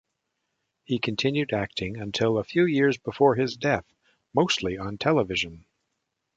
He continued acting until a few years before his death, mostly on television.